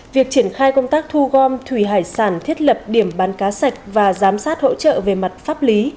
việc triển khai công tác thu gom thủy hải sản thiết lập điểm bán cá sạch và giám sát hỗ trợ về mặt pháp lý